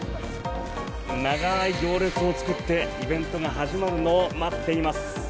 長い行列を作ってイベントが始まるのを待っています。